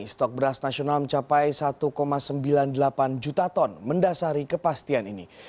stok beras nasional mencapai satu sembilan puluh delapan juta ton mendasari kepastian ini